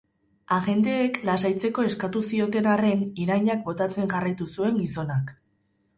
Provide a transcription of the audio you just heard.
Agenteek lasaitzeko eskatu zioten arren, irainak botatzen jarraitu zuen gizonak.